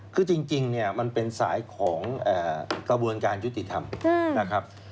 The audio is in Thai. คือจริงเนี่ยมันเป็นสายของกระบวนการยุติธรรมนะครับ